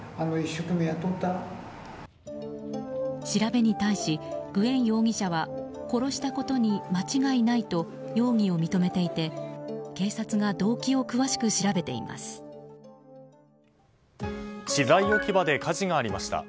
調べに対し、グエン容疑者は殺したことに間違いないと容疑を認めていて警察が動機を詳しく調べています。